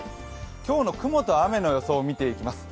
今日の雲と雨の予想を見ていきます。